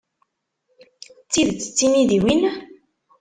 D tidet d timidiwin?